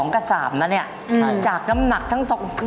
๒กับ๓นะนี่จากกำหนักทั้งสอง